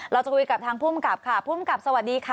เราจะคุยกับทางผู้กำกราบค่ะผู้กำกราบสวัสดีค่ะ